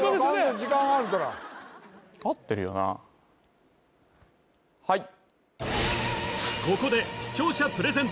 時間あるからはいここで視聴者プレゼント